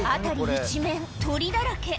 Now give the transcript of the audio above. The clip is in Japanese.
一面鳥だらけ